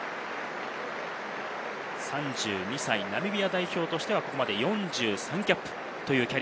３２歳、ナミビア代表としてはここまで４３キャップというキャリ